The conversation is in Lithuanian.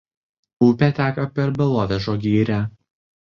Upė teka per Belovežo girią.